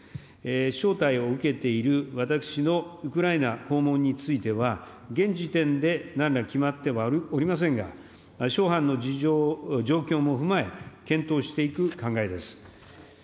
招待を受けている私のウクライナ訪問については、現時点でなんら決まってはおりませんが、諸般の事情、状況も踏まえ、検討していく考えです。